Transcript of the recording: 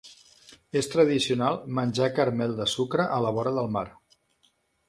És tradicional menjar caramel de sucre a la vora del mar